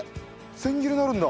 千切りになるんだ。